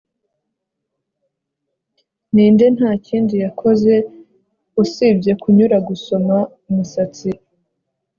Ninde ntakindi yakoze usibye kunyura gusoma umusatsi